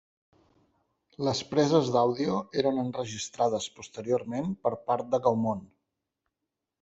Les preses d’àudio eren enregistrades posteriorment per part de Gaumont.